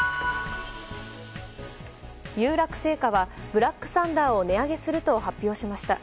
有楽製菓はブラックサンダーを値上げすると発表しました。